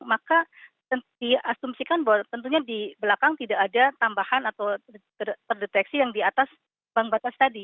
maka diasumsikan bahwa tentunya di belakang tidak ada tambahan atau terdeteksi yang di atas bank batas tadi